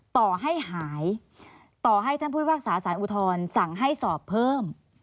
ต่อให้หายต่อให้ท่านผู้พิพากษาสารอุทธรณ์สั่งให้สอบเพิ่ม